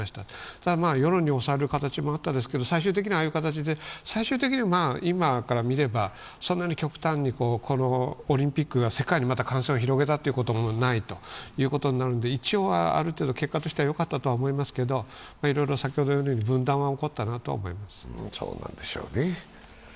ただ、世論に押される形もあったんですけど、最終的にはああいう形で、今から見ればそんなに極端にオリンピックが世界にまた感染を広げたということもないということになるので、一応はある程度結果としてはよかったと思いますけど、いろいろ分断は起こったなとは思います。